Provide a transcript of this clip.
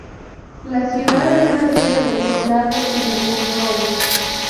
La ciudad es la sede del condado de Monroe.